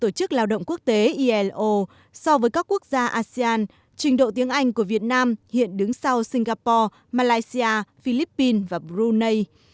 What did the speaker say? tổ chức lao động quốc tế ilo so với các quốc gia asean trình độ tiếng anh của việt nam hiện đứng sau singapore malaysia philippines và brunei